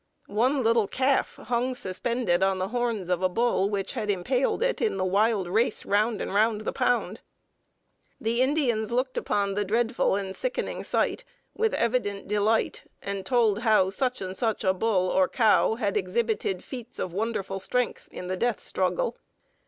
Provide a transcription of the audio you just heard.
One little calf hung suspended on the horns of a bull which had impaled it in the wild race round and round the pound. The Indians looked upon the dreadful and sickening sight with evident delight, and told how such and such a bull or cow had exhibited feats of wonderful strength in the death struggle.